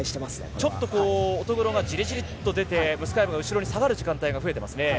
ちょっと乙黒がじりじりと出てムスカエブが後ろに出る時間が出ていますね。